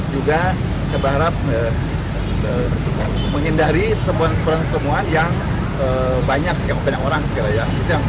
juga saya berharap menghindari temuan temuan yang banyak banyak orang segera ya